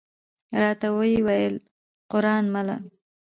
راته وې ویل: قران مله!